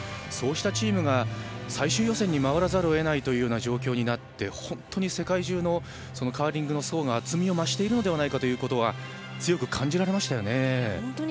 そうしたチームが最終予選に回らざるを得ない状況になって本当に世界中のカーリングの層が厚みを増しているのではないかと強く感じられましたよね。